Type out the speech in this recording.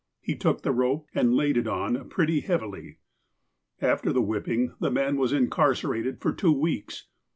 He took the rope, and laid it on pretty heavily. After the whipping, the man was incarcerated for two weeks.